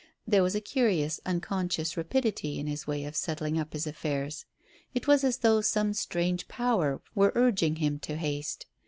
There was a curious, unconscious rapidity in his way of settling up his affairs. It was as though some strange power were urging him to haste.